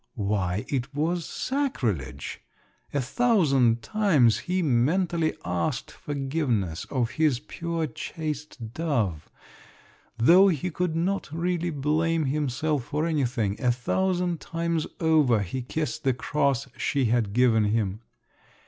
Why, it was sacrilege! A thousand times he mentally asked forgiveness of his pure chaste dove, though he could not really blame himself for anything; a thousand times over he kissed the cross she had given him.